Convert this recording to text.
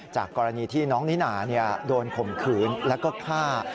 จากกรณีที่น้องนิน่าโดนข่มขืนแล้วก็ฆ่า